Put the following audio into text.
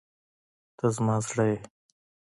ته زما زړه یې.